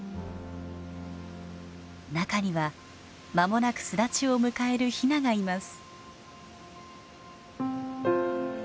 中にはまもなく巣立ちを迎えるヒナがいます。